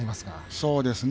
そうですね。